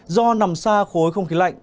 do nằm xa khối không khí lạnh